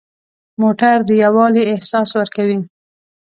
موټر د یووالي احساس ورکوي.